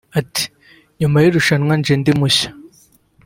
Ati “ Nyuma y’irushanwa nje ndi mushya